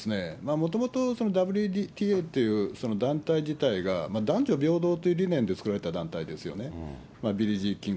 もともとＷＴＡというその団体自体が、男女平等という理念で作られた団体ですよね。